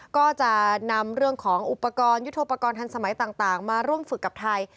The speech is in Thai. ก็จะนำเรื่องของอุปกรณ์ยุทธโปรกรณ์ทันสมัยต่างมาร่วมฝึกกับไทย